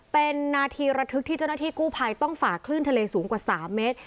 เป็นนาทีระทึกที่เจ้าหน้าที่กู้ภัยต้องฝ่าคลื่นทะเลสูงกว่า๓เมตร